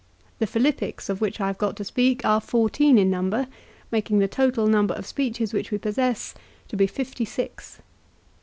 The Philippics of which I have got to speak are fourteen in number, making the total number of speeches which we possess to be fifty six.